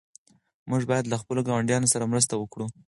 موږ باید له خپلو ګاونډیانو سره مرسته وکړو.